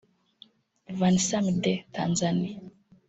Vanessa Mdee (Tanzania)